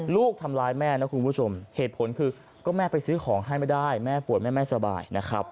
ลูกทำร้ายแม่นะคุณผู้ชมเหตุผลคือก็แม่ไปซื้อของให้ไม่ได้แม่ป่วยแม่แม่สบายนะครับ